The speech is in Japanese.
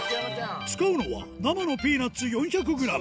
使うのは生のピーナツ４００ｇ